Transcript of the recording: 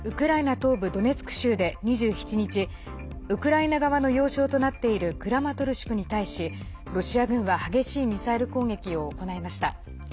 東部ドネツク州で２７日ウクライナ側の要衝となっているクラマトルシクに対しロシア軍は激しいミサイル攻撃を行いました。